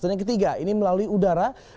dan yang ketiga ini melalui udara